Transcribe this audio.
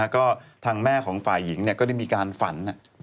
ก็ทางแม่ของฝ่ายหญิงก็ได้มีการฝัน